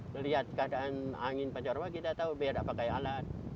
melihat keadaan angin pancarwa kita tahu biar tidak pakai alat